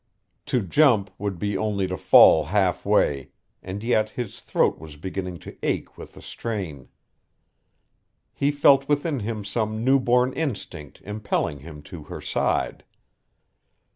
To jump would be only to fall halfway, and yet his throat was beginning to ache with the strain. He felt within him some new born instinct impelling him to her side.